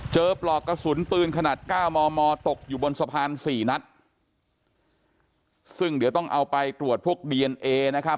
ปลอกกระสุนปืนขนาดเก้ามอมอตกอยู่บนสะพานสี่นัดซึ่งเดี๋ยวต้องเอาไปตรวจพวกดีเอนเอนะครับ